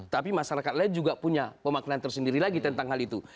tapi masyarakat lain juga punya pemaknaan tersendiri lagi tentang hal itu